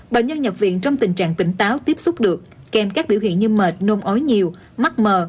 bệnh nhân nhập viện trong tình trạng tỉnh táo tiếp xúc được kèm các biểu hiện như mệt nôn ói nhiều mắt mờ